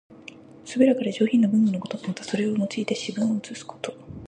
清らかで上品な文具のこと。また、それを用いて詩文を写すこと。